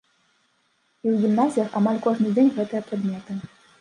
І ў гімназіях амаль кожны дзень гэтыя прадметы.